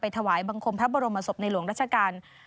ถวายบังคมพระบรมศพในหลวงรัชกาล